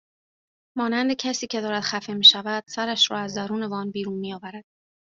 مانند کسی که دارد خفه میشود سرش را از درون وان بیرون میآورد